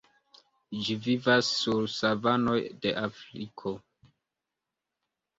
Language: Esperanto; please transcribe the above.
Ĝi vivas sur savanoj de Afriko.